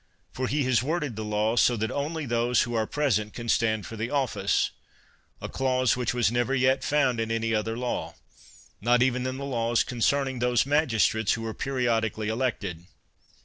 For he has worded the law so that only those who are pres ent can stand for the oflSce — a clause which was never yet found in any other law, not even in the laws concerning those magistrates who are peri odically elected.